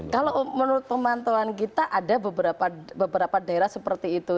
kalau menurut pemantauan kita ada beberapa daerah seperti itu